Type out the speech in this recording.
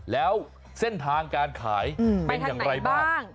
แล้วเส้นทางการขายเป็นอย่างไรบ้าง